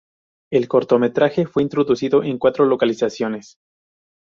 El cortometraje fue producido en cuatro localizaciones.